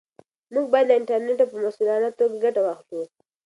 موږ باید له انټرنیټه په مسؤلانه توګه ګټه واخلو.